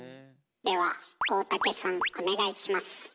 では大竹さんお願いします。